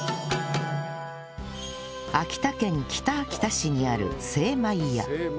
秋田県北秋田市にある精まい家